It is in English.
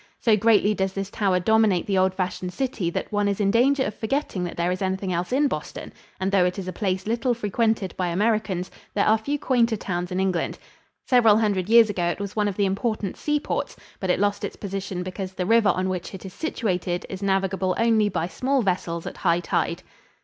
So greatly does this tower dominate the old fashioned city that one is in danger of forgetting that there is anything else in Boston, and though it is a place little frequented by Americans, there are few quainter towns in England. Several hundred years ago it was one of the important seaports, but it lost its position because the river on which it is situated is navigable only by small vessels at high tide.